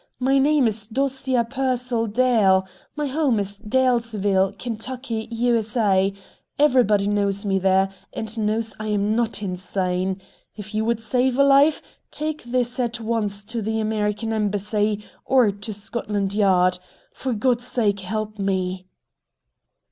My name is Dosia Pearsall Dale. My home is at Dalesville, Kentucky, U. S. A. Everybody knows me there, and knows I am not insane. If you would save a life take this at once to the American Embassy, or to Scotland Yard. For God's sake, help me."